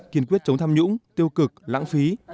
kiên quyết chống tham nhũng tiêu cực lãng phí